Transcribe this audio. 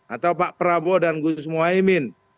atau pak prabowo dan gus muhaymin